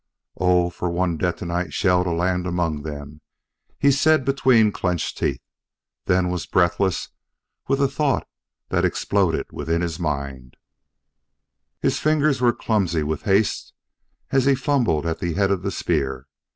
"Oh, for one detonite shell to land among them!" he said between clenched teeth then was breathless with a thought that exploded within his mind. His fingers were clumsy with haste as he fumbled at the head of the spear.